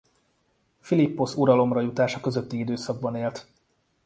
Philipposz uralomra jutása közötti időszakban élt.